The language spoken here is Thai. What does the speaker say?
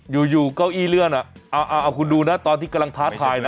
อยู่อยู่เก้าอี้เลื่อนอ่ะเอาเอาเอาคุณดูนะตอนที่กำลังท้าทายน่ะ